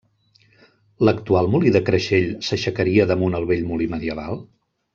L'actual molí de Creixell s'aixecaria damunt el vell molí medieval?